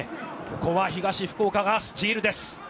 ここは東福岡がスチールです。